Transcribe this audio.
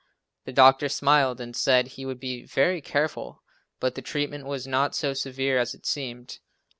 The doctor smiled and said he would be very careful, but the treatment was not so severe as it seemed.